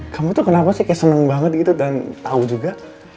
kamu tuh kenapa sih kayak seneng banget gitu dan tau juga